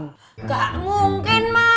seseorang sepertinya menjengkelkan harapan